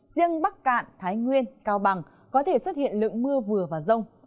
riêng bắc cạn thái nguyên cao bằng có thể xuất hiện lượng mưa vừa và rông